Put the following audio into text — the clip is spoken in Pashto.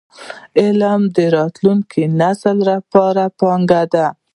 علم د راتلونکي نسل لپاره پانګه ده.